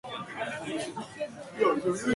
韦宏翔